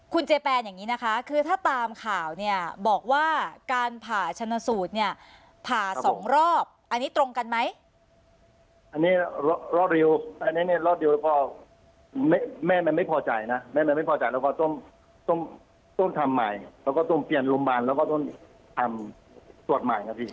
คุณเจแปนอย่างนี้นะคะคือถ้าตามข่าวแบบนี้บอกว่าการผ่าชนสูตรผ่าสองรอบอันนี้ตรงกันไหม